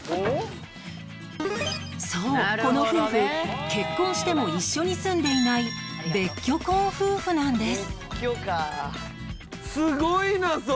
そうこの夫婦結婚しても一緒に住んでいない別居婚夫婦なんです